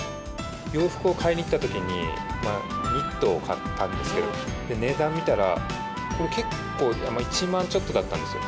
洋服を買いに行ったときに、ニットを買ったんですけど、値段見たら、これ、結構、１万ちょっとだったんですよ。